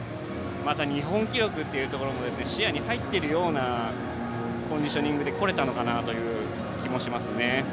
また日本記録っていうところも視野に入っているようなコンディショニングでこれたのかなという気もしますね。